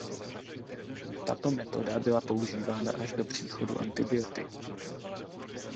Tato metoda byla používána až do příchodu antibiotik.